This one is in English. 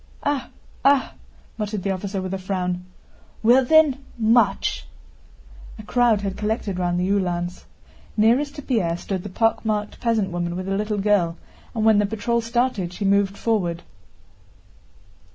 "Ah, ah!" muttered the officer with a frown. "Well then, march!" A crowd had collected round the Uhlans. Nearest to Pierre stood the pockmarked peasant woman with the little girl, and when the patrol started she moved forward.